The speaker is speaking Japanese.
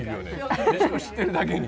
へしこ知ってるだけに。